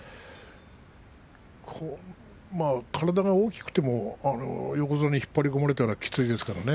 体が大きくても横綱に引っ張り込まれたらきついですからね。